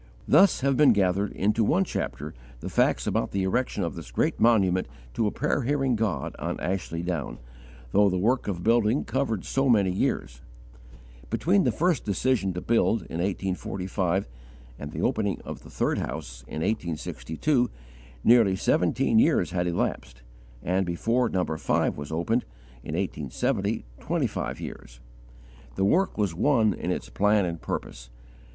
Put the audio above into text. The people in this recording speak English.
Thus have been gathered, into one chapter, the facts about the erection of this great monument to a prayer hearing God on Ashley Down, though the work of building covered so many years. Between the first decision to build, in 1845, and the opening of the third house, in 1862, nearly seventeen years had elapsed, and before No. 5 was opened, in 1870, twenty five years. The work was one in its plan and purpose.